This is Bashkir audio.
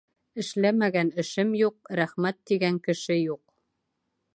Эшләмәгән эшем юҡ, «рәхмәт» тигән кеше юҡ.